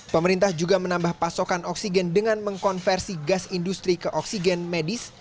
pemerintah juga menambah pasokan oksigen dengan mengkonversi gas industri ke oksigen medis